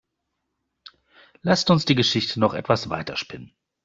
Lasst uns die Geschichte noch etwas weiter spinnen.